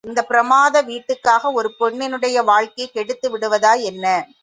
இந்தப் பிரமாத வீட்டுக்காக ஒரு பெண்னுடைய வாழ்க்கையைக் கெடுத்து விடுவதா என்ன?